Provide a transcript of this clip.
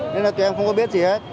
nên là tụi em không có biết gì hết